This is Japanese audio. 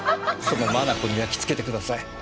その眼に焼きつけてください。